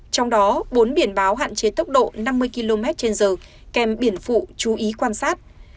trong đó bốn biển báo hạn chế tốc độ năm mươi km trên giờ kèm biển phụ chú ý quan sát